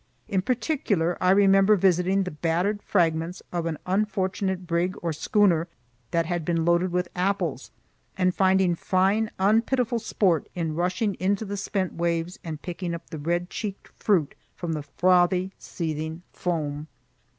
In particular I remember visiting the battered fragments of an unfortunate brig or schooner that had been loaded with apples, and finding fine unpitiful sport in rushing into the spent waves and picking up the red cheeked fruit from the frothy, seething foam.